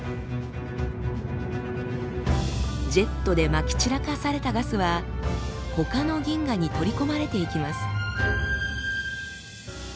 ジェットでまき散らかされたガスはほかの銀河に取り込まれていきます。